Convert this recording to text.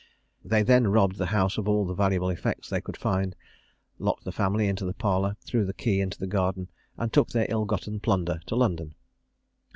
They then robbed the house of all the valuable effects they could find, locked the family into the parlour, threw the key into the garden, and took their ill gotten plunder to London.